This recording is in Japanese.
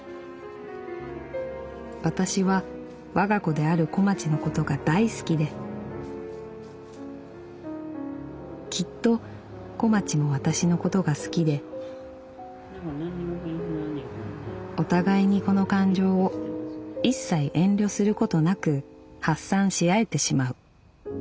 「私は我が子である小町のことが大好きできっと小町も私のことが好きでお互いにこの感情を一切遠慮することなく発散し合えてしまう。